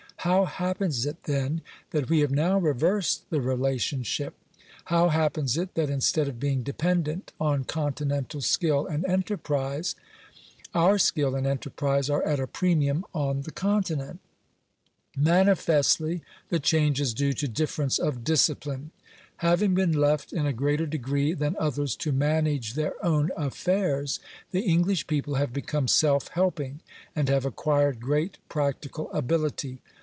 How happens it, then, that we have now reversed the relationship ? How happens it, that instead of being dependent on continental skill and enterprise, our skill and enterprise are at a premium on the Continent ? Manifestly the change is due to difference of discipline. Having been left in a greater degree than others to manage their own affairs, the English people have become self helping, and have acquired great practical ability.